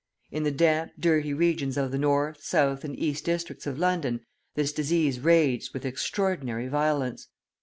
In the damp, dirty regions of the north, south, and east districts of London, this disease raged with extraordinary violence.